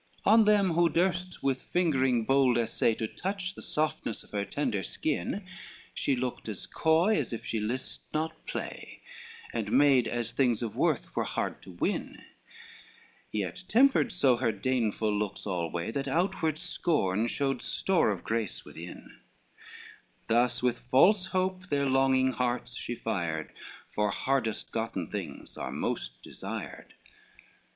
LXXXIX On them who durst with fingering bold assay To touch the softness of her tender skin, She looked as coy, as if she list not play, And made as things of worth were hard to win; Yet tempered so her deignful looks alway, That outward scorn showed store of grace within: Thus with false hope their longing hearts she fired, For hardest gotten things are most desired.